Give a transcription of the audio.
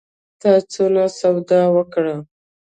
تا څونه سودا وکړه؟